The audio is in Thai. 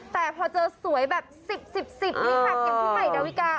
แต่พอเจอสวยแบบ๑๐๑๐๑๐นี่หักอย่างพี่ใหม่ดาวิกา